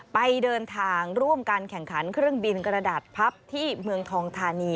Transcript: ไปเดินทางร่วมการแข่งขันเครื่องบินกระดาษพับที่เมืองทองธานี